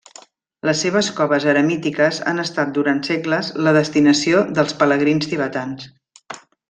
Les seves coves eremítiques han estat durant segles la destinació dels pelegrins tibetans.